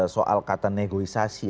soal kata negosiasi